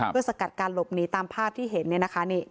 เพื่อสกัดการหลบหนีตามภาพที่เห็นเนี่ยนะคะ